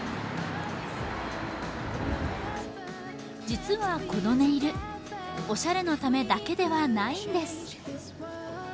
実はこのネイル、おしゃれのためだけではないんです。